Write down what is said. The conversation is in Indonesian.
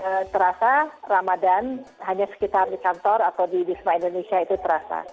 tapi memang terasa ramadan hanya sekitar di kantor atau di desa indonesia itu terasa